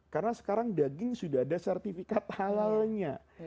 karena sekarang daging sudah ada sertifikat halalnya